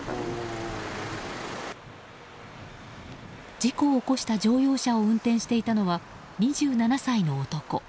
事故を起こした乗用車を運転していたのは２７歳の男。